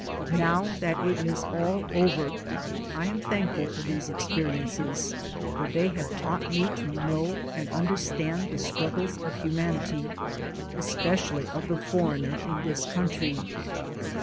Now that it is all over, I am thankful for these experiences, for they have taught me to know and understand the struggles of humanity, especially of the "foreigner" in this country.